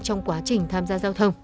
trong quá trình tham gia giao thông